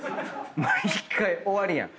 毎回終わるやん。